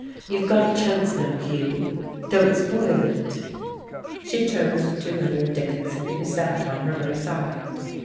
You've got a chance now, Hugh. Don't spoil it." She turned to Leonard Dickinson, who sat on her other side....